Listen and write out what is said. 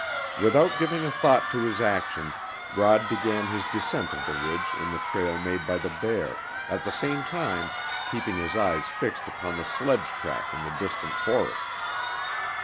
Without giving a thought to his action, Rod began his descent of the ridge in the trail made by the bear, at the same time keeping his eyes fixed upon the sledge track and the distant forest.